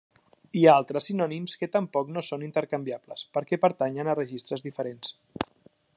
Hi ha altres sinònims que tampoc no són intercanviables, perquè pertanyen a registres diferents.